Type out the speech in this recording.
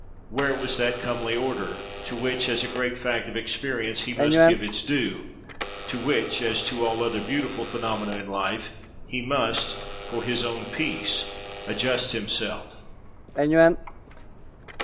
Where was that comely order, to which as a great fact of experience he must give its due; to which, as to all other beautiful "phenomena" in life, he must, for his own peace, adjust himself?